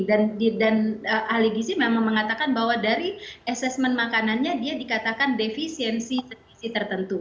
dan ahli gizi memang mengatakan bahwa dari asesmen makanannya dia dikatakan defisiensi tertentu